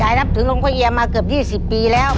ยายนับถึงลงพระเยียมาเกือบ๒๐ปีแล้ว